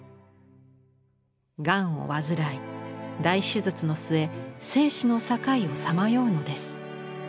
がんを患い大手術の末生死の境をさまようのです。